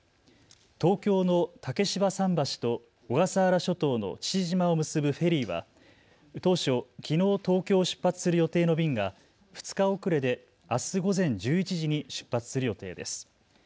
東京の竹芝桟橋と小笠原諸島の父島を結ぶフェリーは当初、きのう東京を出発する予定の便が２日遅れであす午前１１時に出発する予定です。